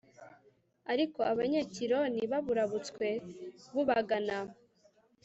ariko abanyekironi baburabutswe bubagana